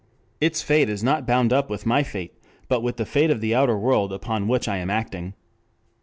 Its fate is not bound up with my fate, but with the fate of the outer world upon which I am acting.